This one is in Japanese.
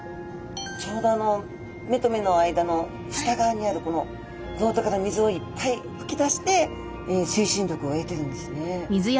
ちょうど目と目の間の下側にあるこの漏斗から水をいっぱいふき出して推進力を得てるんですね。